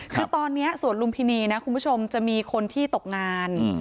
คือตอนนี้สวนลุมพินีนะคุณผู้ชมจะมีคนที่ตกงาน